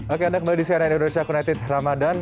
oke anda kembali di cnn indonesia connected ramadan